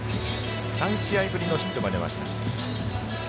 ３試合ぶりのヒットが出ました。